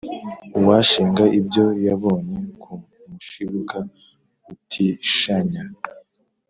Uwashinga ibyo yabonye Ku mushibuka utishanya